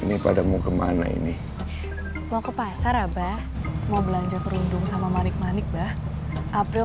ini pada mau kemana ini mau ke pasar abah mau belanja kerundung sama manik manik mbah april